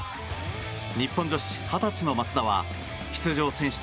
日本女子、二十歳の松田は出場選手